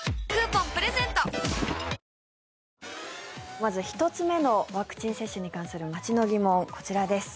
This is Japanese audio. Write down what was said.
まず、１つ目のワクチン接種に関する街の疑問こちらです。